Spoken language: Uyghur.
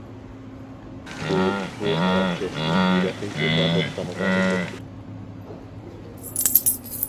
ئۇ، بۇ ھاراقكەشنى ھېلىقى ئىبادەتخانىغا ئەكەپتۇ.